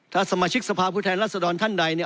ถ้าสมาชิกสภาพุทธแหละสะดอนท่านใดเนี่ย